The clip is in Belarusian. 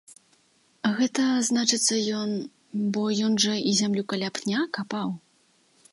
Гэта, значыцца, ён, бо ён жа і зямлю каля пня капаў.